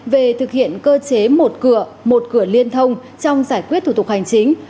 về thực hiện cơ chế một cửa một cửa liên thông trong giải quyết thủ tục hành chính